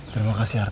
terima kasih art